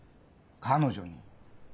彼女に。